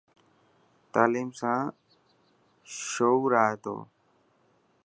تعليم سان شهو آئي تو.